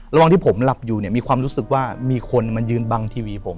ระหว่างที่ผมหลับอยู่เนี่ยมีความรู้สึกว่ามีคนมายืนบังทีวีผม